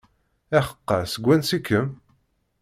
Iḥeqqa, seg wansi-kem?